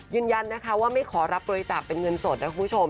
ยืนยันนะคะว่าไม่ขอรับบริจาคเป็นเงินสดนะคุณผู้ชม